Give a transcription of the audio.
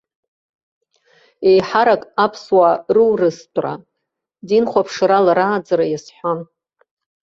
Еиҳарак аԥсуаа рурыстәра, динхәаԥшрала рааӡара иазҳәан.